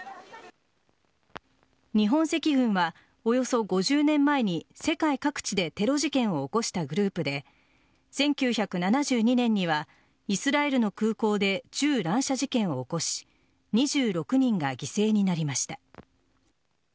日本赤軍はおよそ５０年前に世界各地でテロ事件を起こしたグループで１９７２年にはイスラエルの空港で銃乱射事件を起こし２６人が犠牲になりました。